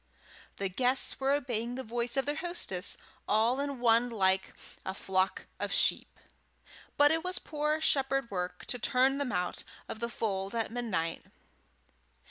The guests were obeying the voice of their hostess all in one like a flock of sheep, but it was poor shepherd work to turn them out of the fold at midnight.